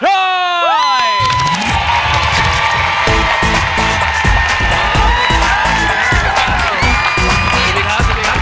สวัสดีค่ะสวัสดีค่ะ